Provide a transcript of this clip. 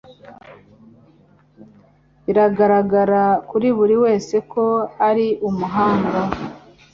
Biragaragara kuri buri wese ko ari umuhanga.